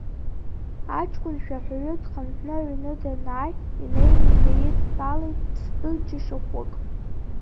Аҷкәын-шәаҳәаҩы дхынҳәны аҩны данааи, инеины инаидтәалеит ԥстәы џьашьахәык.